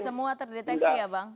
semua terdeteksi ya bang